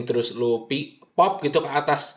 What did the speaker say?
terus lo pi pop gitu ke atas